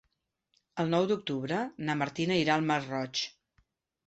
El nou d'octubre na Martina irà al Masroig.